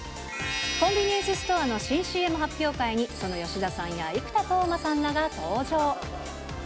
コンビニエンスストアの新ＣＭ発表会にその吉田さんや生田斗真さんらが登場。